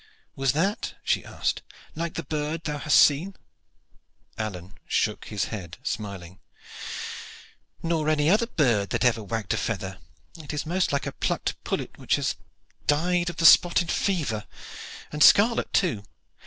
"Was that," she asked, "like the bird which thou hast seen?" Alleyne shook his head, smiling. "No, nor any other bird that ever wagged a feather. It is most like a plucked pullet which has died of the spotted fever. And scarlet too!